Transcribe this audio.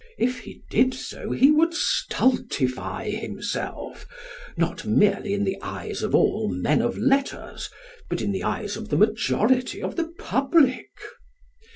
If he did so he would stultify himself, not merely in the eyes of all men of letters, but in the eyes of the majority of the public.